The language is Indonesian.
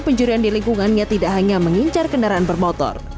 pencurian di lingkungannya tidak hanya mengincar kendaraan bermotor